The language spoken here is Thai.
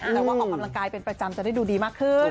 แต่ว่าออกกำลังกายเป็นประจำจะได้ดูดีมากขึ้น